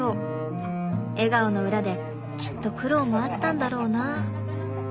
笑顔の裏できっと苦労もあったんだろうな。